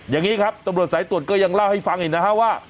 อย่างนี้ครับตำรวจสายตรวจก็ยังเล่าให้ฟังอีกนะฮะว่า